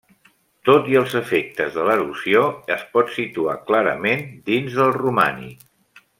Tot i els efectes de l'erosió, es pot situar clarament dins del romànic.